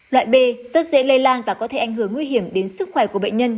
loại b rất dễ lây lan và có thể ảnh hưởng nguy hiểm đến sức khỏe của bệnh nhân